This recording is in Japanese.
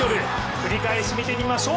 繰り返し見てみましょう。